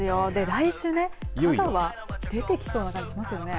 来週、香川出てきそうな感じしますよね。